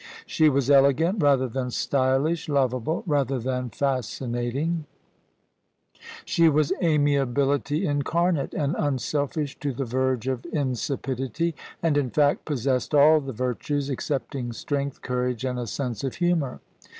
She was elegant rather than stylish, lovable rather than fascinating. THE SUBJECTION She was amiability incarnate, and unselfish to the verge of Insipidity: and in fact possessed all the virtues, excepting strength, courage and a sense of humour.